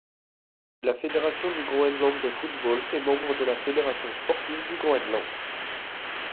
La fédération du Groenland de football est membre de la fédération sportive du Groenland.